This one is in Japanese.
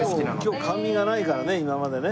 今日甘味がないからね今までね。